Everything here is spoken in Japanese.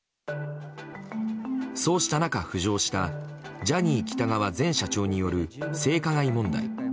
そうした中、浮上したジャニー喜多川前社長による性加害問題。